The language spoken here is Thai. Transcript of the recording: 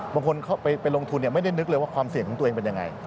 บางคนไปลงทุนไม่ได้นึกเลยว่าความเสี่ยงของตัวเองเป็นยังไง